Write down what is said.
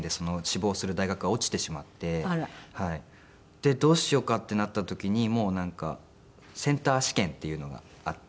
でどうしようかってなった時にもうなんかセンター試験っていうのがあって。